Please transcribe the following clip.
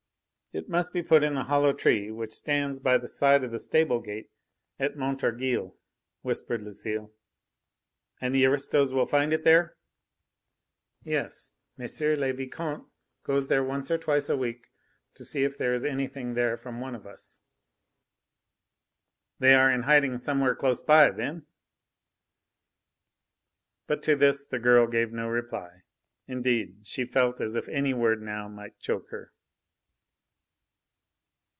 "It must be put in the hollow tree which stands by the side of the stable gate at Montorgueil," whispered Lucile. "And the aristos will find it there?" "Yes. M. le Vicomte goes there once or twice a week to see if there is anything there from one of us." "They are in hiding somewhere close by, then?" But to this the girl gave no reply. Indeed, she felt as if any word now might choke her.